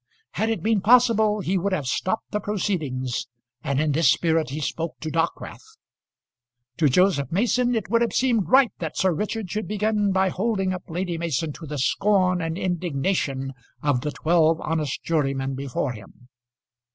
Had it been possible he would have stopped the proceedings, and in this spirit he spoke to Dockwrath. To Joseph Mason it would have seemed right that Sir Richard should begin by holding up Lady Mason to the scorn and indignation of the twelve honest jurymen before him.